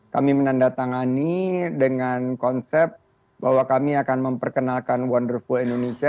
kami menandatangani dengan konsep bahwa kami akan memperkenalkan wonderful indonesia